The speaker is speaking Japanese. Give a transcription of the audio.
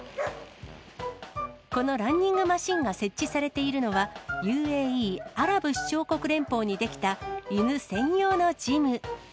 このランニングマシンが設置されているのは、ＵＡＥ・アラブ首長国連邦に出来た犬専用のジム。